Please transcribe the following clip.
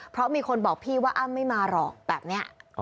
เพราะมีคนบอกพี่ว่าอ้ำไม่มาหรอกแบบนี้